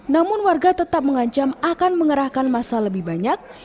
namun warga tetap mengancam akan mengerahkan masa lebih banyak